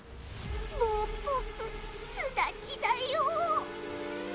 もうぼく巣立ちだよ。